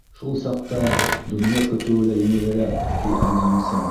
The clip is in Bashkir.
Шул саҡта донъя көтөүе лә еңелерәк, — ти әңгәмәсем.